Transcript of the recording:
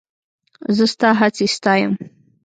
زه ستا هڅې ستایم.